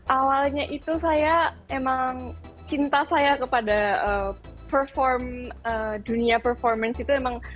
awalnya itu cinta saya kepada dunia performance itu